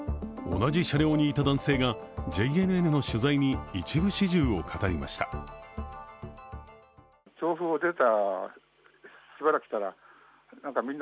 同じ車両にいた男性がＪＮＮの取材に一部始終を語りました。